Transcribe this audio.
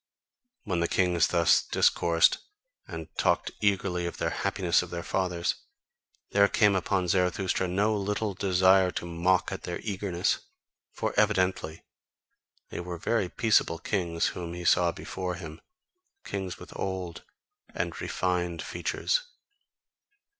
When the kings thus discoursed and talked eagerly of the happiness of their fathers, there came upon Zarathustra no little desire to mock at their eagerness: for evidently they were very peaceable kings whom he saw before him, kings with old and refined features.